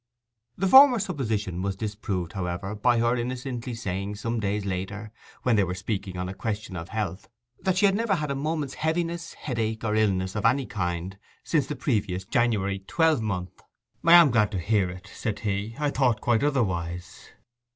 The former supposition was disproved, however, by her innocently saying, some days later, when they were speaking on a question of health, that she had never had a moment's heaviness, headache, or illness of any kind since the previous January twelvemonth. 'I am glad to hear it,' said he. 'I thought quite otherwise.